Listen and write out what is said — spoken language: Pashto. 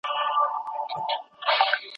د ایران سفیر په فرانسه کې یوه نجلۍ وتښتوله.